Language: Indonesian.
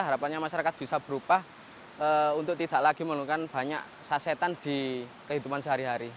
harapannya masyarakat bisa berubah untuk tidak lagi menemukan banyak sasetan di kehidupan sehari hari